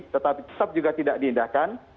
tetapi tetap juga tidak diindahkan